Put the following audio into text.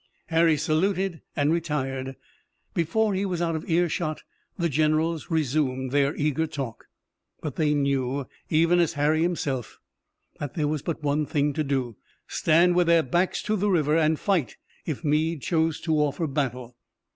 Harry saluted and retired. Before he was out of ear shot the generals resumed their eager talk, but they knew, even as Harry himself, that there was but one thing to do, stand with their backs to the river and fight, if Meade chose to offer battle.